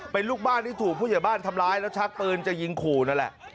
เป็นลูกบ้านที่ถูกผู้ใหญ่บ้านทำร้ายแล้วชักปืนจะยิงขู่นั่นแหละ